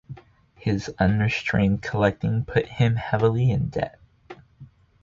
His unrestrained collecting put him heavily in debt.